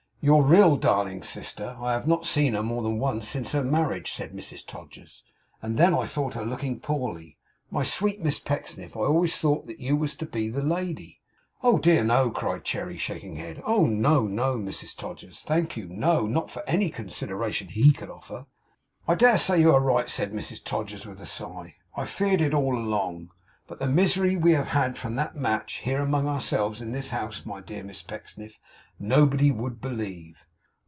'Your real darling sister, I have not seen her more than once since her marriage,' said Mrs Todgers, 'and then I thought her looking poorly. My sweet Miss Pecksniff, I always thought that you was to be the lady?' 'Oh dear no!' cried Cherry, shaking her head. 'Oh no, Mrs Todgers. Thank you. No! not for any consideration he could offer.' 'I dare say you are right,' said Mrs Todgers with a sigh. 'I feared it all along. But the misery we have had from that match, here among ourselves, in this house, my dear Miss Pecksniff, nobody would believe.